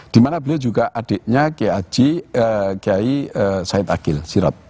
dimana beliau juga adiknya kayi said akil sirat